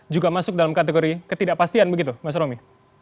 juga masuk dalam kategori ketidakpastian begitu mas romi